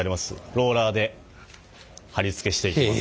ローラーで貼り付けしていきます。